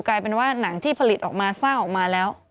กลายเป็นว่าหนังที่ผลิตออกมาสร้างออกมาแล้ว